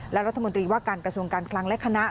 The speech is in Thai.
และรัฐมนตรีว่าการกระทรวงการคลังและคณะ